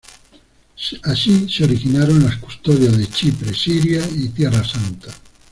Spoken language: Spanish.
Así se originaron las Custodias de Chipre, Siria y Tierra Santa.